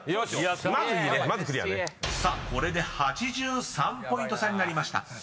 ［さあこれで８３ポイント差になりました］